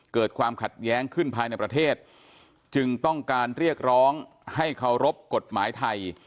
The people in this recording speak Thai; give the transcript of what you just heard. เกิดความขัดแย้งขึ้นภายในประเทศจึงต้องการเรียกร้องให้เคารพกฎหมายไทย